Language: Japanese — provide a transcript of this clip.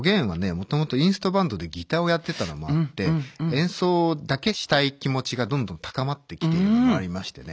もともとインストバンドでギターをやってたのもあって演奏だけしたい気持ちがどんどん高まってきてるのもありましてね